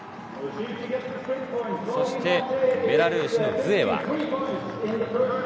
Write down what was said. そしてベラルーシのズエワ。